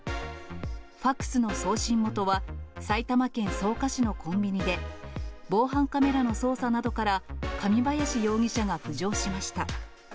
ファックスの送信元は、埼玉県草加市のコンビニで、防犯カメラの捜査などから、神林容疑者が浮上しました。